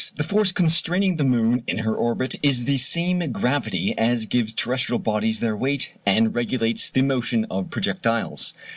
The force constraining the moon in her orbit is the same gravity as gives terrestrial bodies their weight and regulates the motion of projectiles.